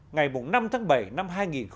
ngày năm tháng bảy năm hai nghìn một mươi